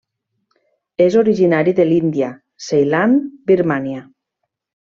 És originari de l'Índia, Ceilan, Birmània.